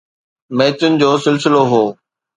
ميچن جو سلسلو هو